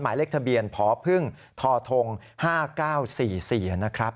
หมายเลขทะเบียนพพท๕๙๔๔นะครับ